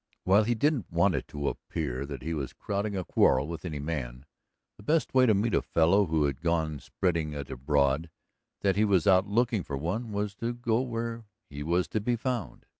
While he didn't want it to appear that he was crowding a quarrel with any man, the best way to meet a fellow who had gone spreading it abroad that he was out looking for one was to go where he was to be found.